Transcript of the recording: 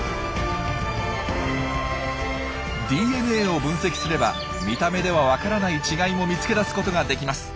ＤＮＡを分析すれば見た目では分からない違いも見つけ出すことができます。